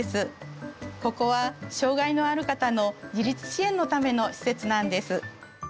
ここは障害のある方の自立支援のための施設なんです。